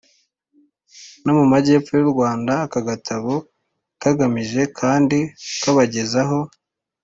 no mu majyepfo y'u rwanda. aka gatabo kagamije kandi kubagezaho